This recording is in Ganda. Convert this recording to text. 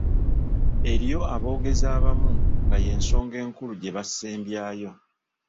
Eriyo aboogezi abamu nga ye ensonga enkulu gy’asembyayo .